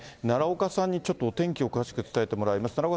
奈良岡さんにちょっとお天気を詳しく伝えてもらいます。